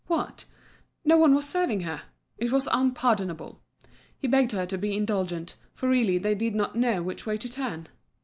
What! no one was serving her! it was unpardonable! He begged her to be indulgent, for really they did not know which way to turn.